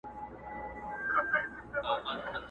جهاني د قلم ژبه دي ګونګۍ که.!